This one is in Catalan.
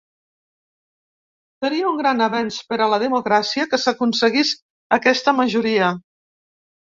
Seria un gran avenç per a la democràcia que s’aconseguís aquesta majoria.